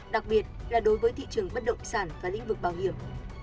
đặc biệt là đối với thị trường bất động sản và lĩnh vực bảo hiểm